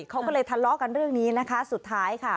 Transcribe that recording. เขาก็เลยทะเลาะกันเรื่องนี้นะคะสุดท้ายค่ะ